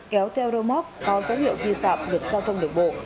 kéo theo rô móc có dấu hiệu vi phạm được giao thông đường bộ